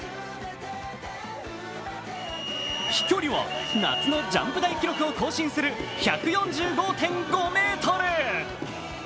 飛距離は夏のジャンプ台記録を更新する１４５．５ｍ。